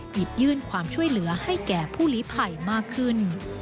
หยิบยื่นความช่วยเหลือให้แก่ผู้หลีภัยมากขึ้น